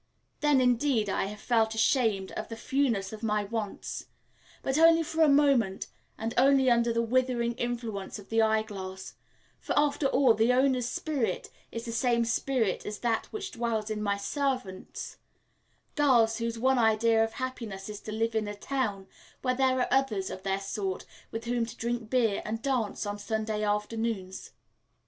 Then indeed I have felt ashamed of the fewness of my wants; but only for a moment, and only under the withering influence of the eyeglass; for, after all, the owner's spirit is the same spirit as that which dwells in my servants girls whose one idea of happiness is to live in a town where there are others of their sort with whom to drink beer and dance on Sunday afternoons.